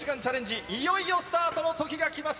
いよいよスタートのときがきました！